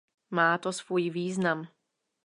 Má to svůj význam.